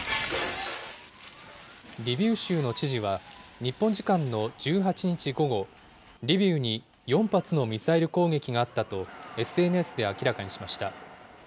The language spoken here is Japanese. リビウ州の知事は、日本時間の１８日午後、リビウに４発のミサイル攻撃があったとＳＮＳで明らかにしました。